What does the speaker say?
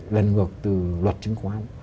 lần ngược từ luật chứng khoán